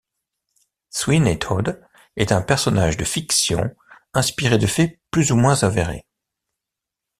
Sweeney Todd est un personnage de fiction inspiré de faits plus ou moins avérés.